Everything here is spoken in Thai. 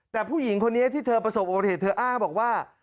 แต่ผู้หญิงคนนี้ที่เธอประสบอุบัติเหตุเธออ้างบอกว่า